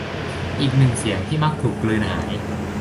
อีกหนึ่งเสียง ที่มักถูกกลืนหาย